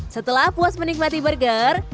setelah puas menikmati burger